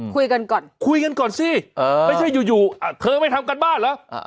คุยกันก่อนคุยกันก่อนสิไม่ใช่อยู่เธอไม่ทำการบ้านเหรอ